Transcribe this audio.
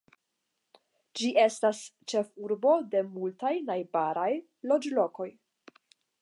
Ĝi estis ĉefurbo de multaj najbaraj loĝlokoj.